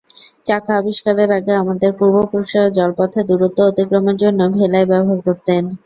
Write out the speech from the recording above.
চাকা আবিষ্কারের আগে আমাদের পূর্বপুরুষেরা জলপথে দূরত্ব অতিক্রমের জন্য ভেলাই ব্যবহার করতেন।